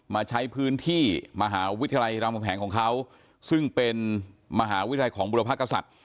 มาใช้พื้นที่มหาวิทยาลัยรามคำแหงของเขาซึ่งเป็นมหาวิทยาลัยของบุรพกษัตริย์